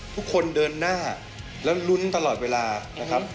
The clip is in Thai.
ทุกคนเดินหน้าแล้วลุ้นตลอดเวลานะครับ